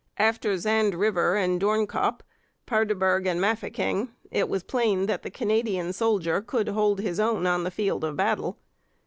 After Zand River and Doornkop, Paardeberg and Mafeking, it was plain that the Canadian soldier could hold his own on the field of battle.